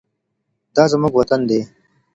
دا زموږ وطن دی.